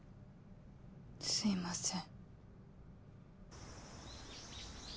すいません。